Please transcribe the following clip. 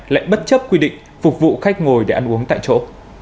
lại bất chấp quy định phục vụ khách ngồi để ăn uống tại chỗ